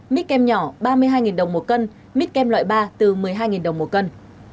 mít kem nhỏ ba mươi hai đồng một cân mít kem loại ba từ một mươi hai đồng một cân